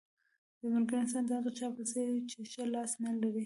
بې ملګري انسان د هغه چا په څېر دی چې ښی لاس نه لري.